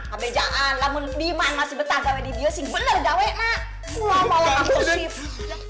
abejaan lah menutup diman masih betah gawed di diosin bener gawek nak mau mau